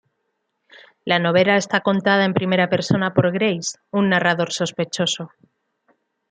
La novela está contada en primera persona por Grace, un narrador sospechoso.